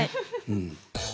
うん。